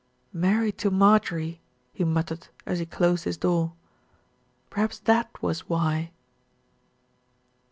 "Married to Marjorie !" he muttered, as he closed his door. "Perhaps that was why."